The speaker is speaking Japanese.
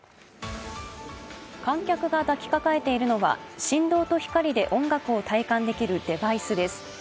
観客が抱きかかえているのは、振動と光で音楽を体感できるデバイスです。